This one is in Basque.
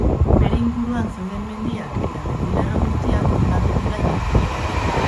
Bere inguruan zeuden mendiak eta mendilerro guztiak higatu dira jada.